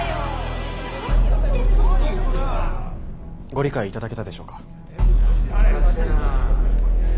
ご理解いただけたでしょうか。